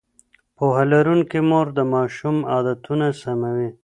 پوهه لرونکې مور د ماشوم عادتونه سموي.